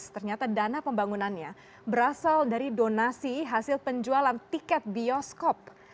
ternyata dana pembangunannya berasal dari donasi hasil penjualan tiket bioskop